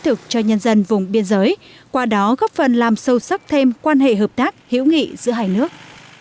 thực cho nhân dân vùng biên giới qua đó góp phần làm sâu sắc thêm quan hệ hợp tác hiểu nghị giữa hai nước